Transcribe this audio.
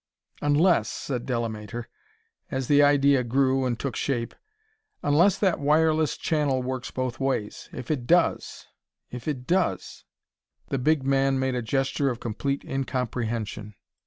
"Unless," said Delamater, as the idea grew and took shape, "unless that wireless channel works both ways. If it does ... if it does...." The big man made a gesture of complete incomprehension.